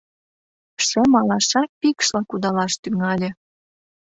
Шем алаша пикшла кудалаш тӱҥале.